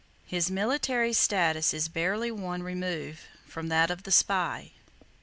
His military status is barely one remove from that of the spy.